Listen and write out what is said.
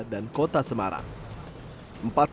dan memasukkan ke mesin atm